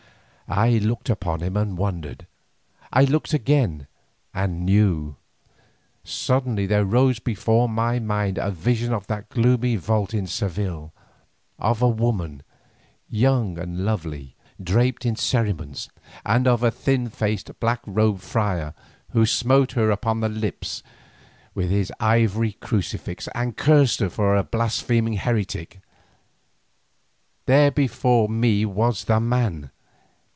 I looked upon him and wondered. I looked again and knew. Suddenly there rose before my mind a vision of that gloomy vault in Seville, of a woman, young and lovely, draped in cerements, and of a thin faced black robed friar who smote her upon the lips with his ivory crucifix and cursed her for a blaspheming heretic. There before me was the man.